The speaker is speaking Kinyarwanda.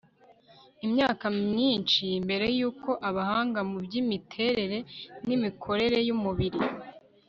imyaka myinshi mbere y'uko abahanga mu by'imiterere n'imikorere y'umubiri